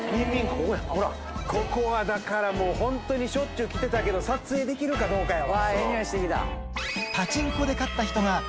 ここはだからもう、本当にしょっちゅう来てたけど、撮影できるかどうかやわ。